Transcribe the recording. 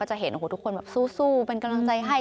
ก็จะเห็นทุกคนแบบสู้เป็นกำลังใจให้